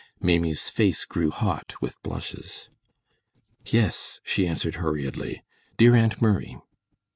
Maimie's face grew hot with blushes. "Yes," she answered, hurriedly. "Dear Aunt Murray!"